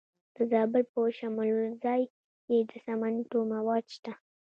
د زابل په شمولزای کې د سمنټو مواد شته.